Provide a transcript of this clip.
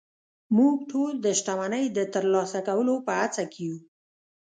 موږ ټول د شتمنۍ د ترلاسه کولو په هڅه کې يو